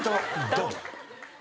ドン！